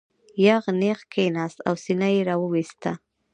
یغ نېغ کېناست او سینه یې را وویسته.